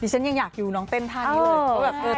ฉันยังอยากอยู่น้องเต้นท่านี้เลย